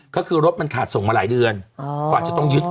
ก็คือรถมันขาดส่งมาหลายเดือนก่อนจะต้องยึด